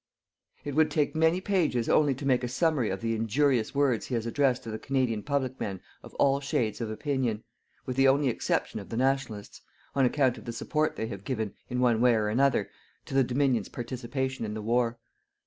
It would take many pages only to make a summary of the injurious words he has addressed to the Canadian public men of all shades of opinion with the only exception of the Nationalist on account of the support they have given, in one way or another, to the Dominion's participation in the war.